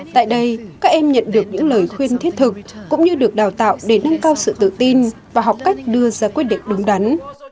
tại đây các em nhận được những lời khuyên thiết thực cũng như được đào tạo để nâng cao sự tự tin và học cách đưa ra quyết định đúng đắn